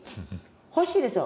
欲しいですよ。